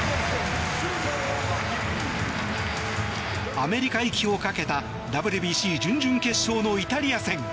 アメリカ行きをかけたＷＢＣ準々決勝のイタリア戦。